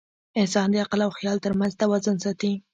انسان د عقل او خیال تر منځ توازن ساتي.